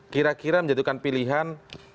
kira kira menjatuhkan pilihan